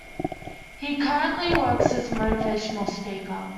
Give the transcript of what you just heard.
He currently works as a motivational speaker.